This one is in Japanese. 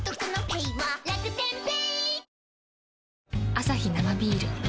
アサヒ生ビール